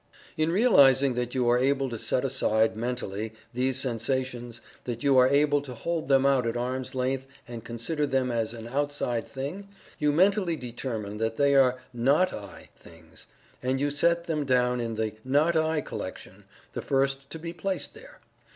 In realizing that you are able to set aside, mentally, these sensations that you are able to hold them out at arm's length and "consider" them as an "outside" thing, you mentally determine that they are "not I" things, and you set them down in the "not I" collection the first to be placed there.